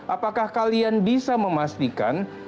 apakah kalian bisa memastikan